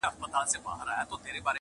قاسم یار مین پر داسي جانانه دی.